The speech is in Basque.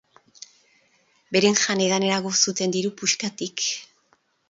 Beren jan-edanerako zuten diru puskatik.